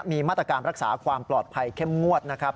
มีมาตรการรักษาความปลอดภัยเข้มงวดนะครับ